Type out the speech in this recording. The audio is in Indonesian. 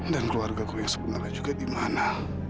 dan keluarga aku yang sebenarnya juga di mana